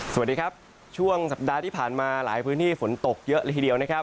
สวัสดีครับช่วงสัปดาห์ที่ผ่านมาหลายพื้นที่ฝนตกเยอะเลยทีเดียวนะครับ